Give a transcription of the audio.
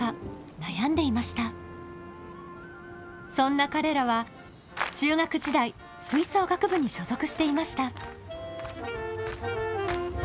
そんな彼らは中学時代吹奏楽部に所属していました。